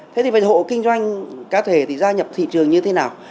thế thì về hộ kinh doanh cá thể thì gia nhập thị trường như thế nào